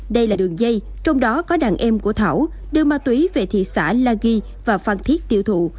đây là đường dây trong đó có đàn em của thảo đưa ma túy về thị xã la ghi và phan thiết tiêu thụ